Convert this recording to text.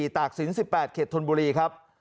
ตากสิงศ์๑๘เข็ดทนบุรีครับ